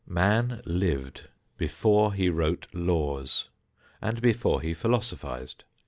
Man lived before he wrote laws, and before he philosophized.